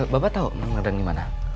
bapak tau mang dadang dimana